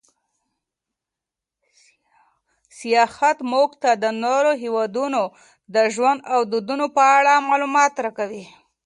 سیاحت موږ ته د نورو هېوادونو د ژوند او دودونو په اړه معلومات راکوي.